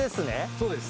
そうです。